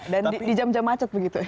dan di jam jam macet begitu ya